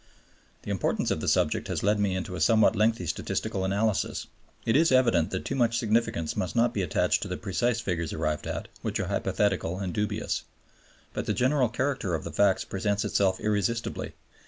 The importance of the subject has led me into a somewhat lengthy statistical analysis. It is evident that too much significance must not be attached to the precise figures arrived at, which are hypothetical and dubious. But the general character of the facts presents itself irresistibly.